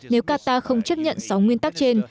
nếu qatar không chấp nhận sáu nguyên tắc trên